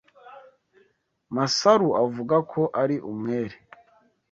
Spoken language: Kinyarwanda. Masaru avuga ko ari umwere.